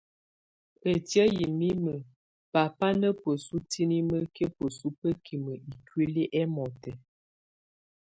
Ətiən yɛ mimə baba na bəsu tiniməki bəsu bəkimə ikuili ɛmɔtɛ.